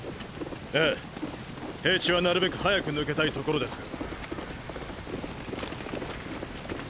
ええ平地はなるべく早く抜けたいところですが。